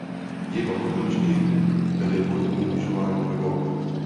Jeho koníčky byly vodní lyžování a golf.